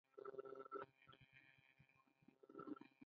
په دې املاکو کې مریانو کار کاوه